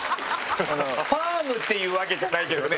ファームっていうわけじゃないけどね。